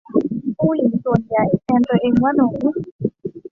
ผู้หญิงส่วนใหญ่แทนตัวเองว่าหนู